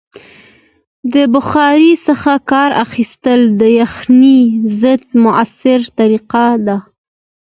د بخارۍ څخه کار اخیستل د یخنۍ ضد مؤثره طریقه ده.